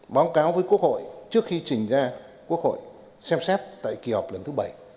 báo cáo với quốc hội trước khi trình ra quốc hội xem xét tại kỳ họp lần thứ bảy